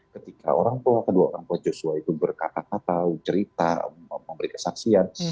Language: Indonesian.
ketika orang tua kedua orang tua yosua itu berkata kata cerita memberikan saksian